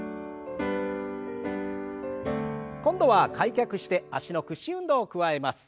今度は開脚して脚の屈伸運動を加えます。